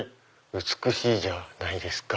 美しいじゃないですか。